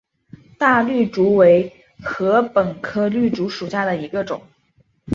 大绿竹为禾本科绿竹属下的一个种。